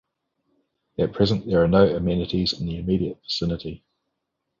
At present there are no amenities in the immediate vicinity.